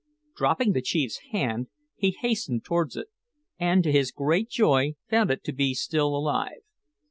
Dropping the chief's hand he hastened towards it, and, to his great joy, found it to be still alive.